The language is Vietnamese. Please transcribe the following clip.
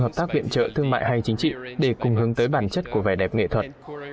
hợp tác viện trợ thương mại hay chính trị để cùng hướng tới bản chất của vẻ đẹp nghệ thuật